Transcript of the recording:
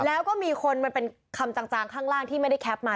แล้วก็มีคนมันเป็นคำจางข้างล่างที่ไม่ได้แคปมา